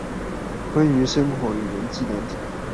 關於生活與人際難題